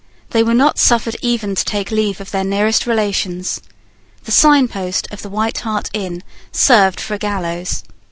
They were not suffered even to take leave of their nearest relations. The signpost of the White Hart Inn served for a gallows.